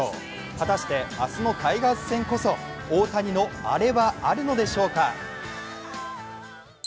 果たして、明日のタイガース戦こそ大谷のアレはあるのでしょうか。